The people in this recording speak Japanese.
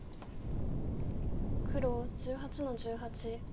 黒１８の十八。